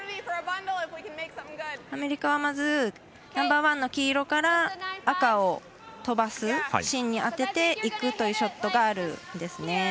アメリカはまず、ナンバーワンの黄色から赤を飛ばす芯に当てていくというショットがあるんですね。